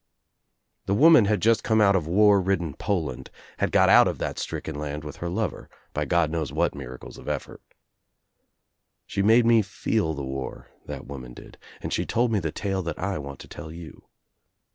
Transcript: The woman had just come out of war ridden Po land, had got out of that stricken land with her lover by God knows what miracles of effort. She made me feel the war, that woman did, and she told me the tale that I want to tell you.